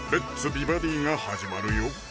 美バディ」が始まるよ